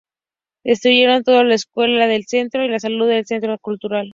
Destruyeron todo: la escuela, el centro de salud, el centro cultural.